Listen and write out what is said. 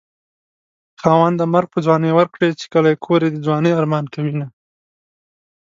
خاونده مرګ په ځوانۍ ورکړې چې کلی کور يې د ځوانۍ ارمان کوينه